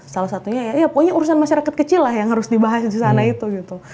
salah satunya ya pokoknya urusan masyarakat kecil lah yang harus dibahas di sana itu gitu